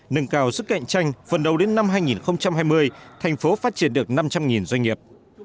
nâng cao sức cạnh tranh phần đầu đến năm hai nghìn hai mươi thành phố phát triển được năm trăm linh doanh nghiệp